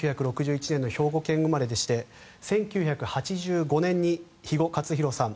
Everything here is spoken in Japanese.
１９６１年の兵庫県生まれでして１９８５年に肥後克広さん